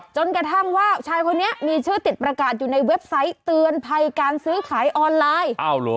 จนกระทั่งว่าชายคนนี้มีชื่อติดประกาศอยู่ในเว็บไซต์เตือนภัยการซื้อขายออนไลน์